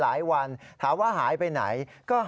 นายยกรัฐมนตรีพบกับทัพนักกีฬาที่กลับมาจากโอลิมปิก๒๐๑๖